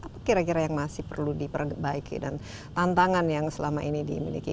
apa kira kira yang masih perlu diperbaiki dan tantangan yang selama ini dimiliki